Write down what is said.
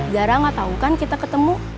zara gak tahu kan kita ketemu